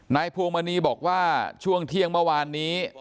พวงมณีบอกว่าช่วงเที่ยงเมื่อวานนี้